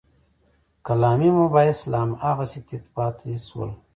کلامي مباحث لا هماغسې تت پاتې شول.